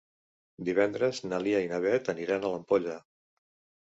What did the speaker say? Divendres na Lia i na Beth aniran a l'Ampolla.